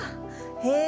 へえ。